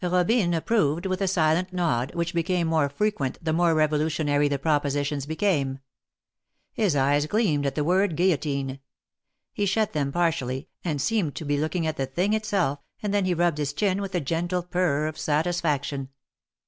Kobine approved with a silent nod, which became more frequent the more Bevolutionary the propositions became. His eyes gleamed at the word guillotine; he shut them partially, and seemed to be looking at the thing itself, and then he rubbed his chin with a gentle purr of satisfaction.